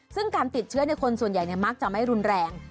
ซึ่งการติดเชื้อคนส่วนใหญ่มักจะไม่รุนแรง